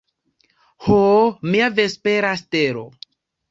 Ho, mia vespera stelo!